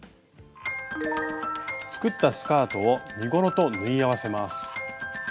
作ったスカートを身ごろと縫い合わせます。